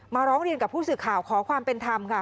ร้องเรียนกับผู้สื่อข่าวขอความเป็นธรรมค่ะ